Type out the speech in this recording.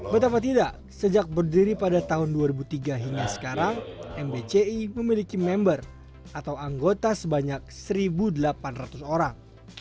betapa tidak sejak berdiri pada tahun dua ribu tiga hingga sekarang mbci memiliki member atau anggota sebanyak satu delapan ratus orang